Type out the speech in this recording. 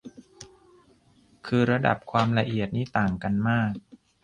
คือระดับความละเอียดนี่ต่างกันมาก